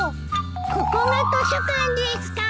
ここが図書館ですか？